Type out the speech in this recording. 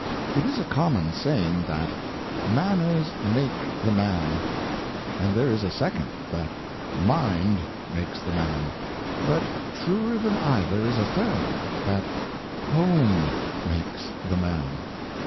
It is a common saying that " Manners make the man;" and there is a second, that "Mind makes the man; " but truer than either is a third, that " Home makes the man."